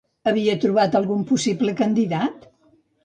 Havia trobat algun possible candidat?